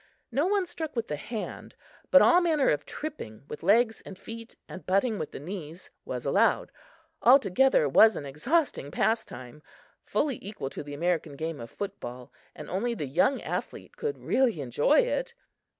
No one struck with the hand, but all manner of tripping with legs and feet and butting with the knees was allowed. Altogether it was an exhausting pastime fully equal to the American game of football and only the young athlete could really enjoy it.